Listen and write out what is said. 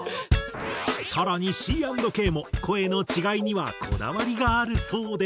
更にＣ＆Ｋも声の違いにはこだわりがあるそうで。